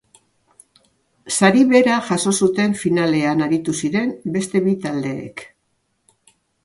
Sari bera jaso zuten finalean aritu ziren beste bi taldeek.